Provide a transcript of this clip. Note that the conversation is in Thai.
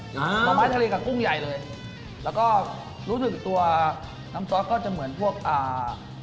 กีม่ากุ้งใหญ่เลยแล้วก็รู้สึกตัวน้ำซอสก็จะเหมือนพวกเนี่ย